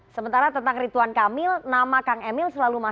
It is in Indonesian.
sementara tentang rituan kamil nama kang emil selalu masuk